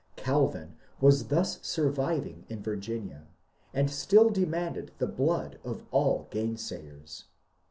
Calvin was thus surviving in Vir ginia, and still demanding the blood of all gainsayers.